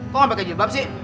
kok nggak pakai jilbab sih